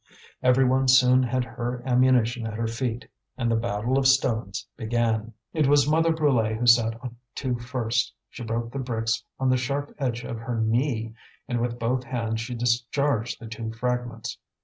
Every one soon had her ammunition at her feet, and the battle of stones began. It was Mother Brulé who set to first. She broke the bricks on the sharp edge of her knee, and with both hands she discharged the two fragments.